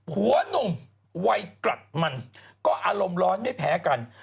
หนุ่มวัยกรักมันก็อารมณ์ร้อนไม่แพ้กัน